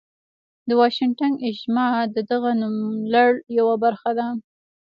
د واشنګټن اجماع د دغه نوملړ یوه برخه ده.